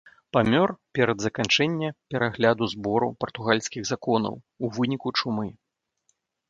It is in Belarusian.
Памёр перад заканчэнне перагляду збору партугальскіх законаў у выніку чумы.